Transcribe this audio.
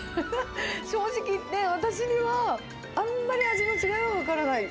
正直言って、私にはあんまり味の違いは分からない。